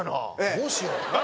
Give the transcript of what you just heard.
どうしよう？